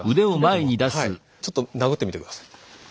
ちょっと殴ってみて下さい。